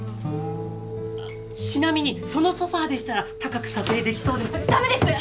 あっちなみにそのソファーでしたら高く査定できそうですダメです！